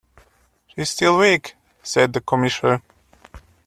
"She is still weak," said the Commissaire.